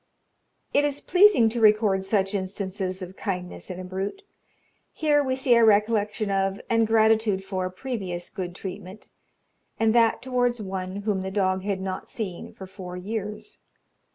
It is pleasing to record such instances of kindness in a brute. Here we see a recollection of, and gratitude for, previous good treatment, and that towards one whom the dog had not seen for four years.